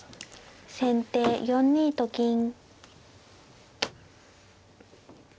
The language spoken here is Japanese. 先手４二と金。